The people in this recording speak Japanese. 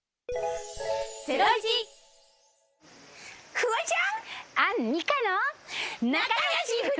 フワちゃん。